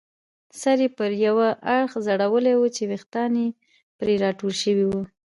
سر یې پر یوه اړخ ځړولی وو چې ویښتان یې پرې راټول شوي وو.